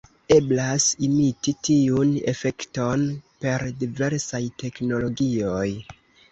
Eblas imiti tiun efekton per diversaj teknologioj.